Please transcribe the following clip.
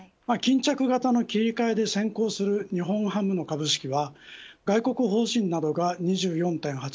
巾着型の切り替えで先行する日本ハムの株式は外国法人などが２４．８％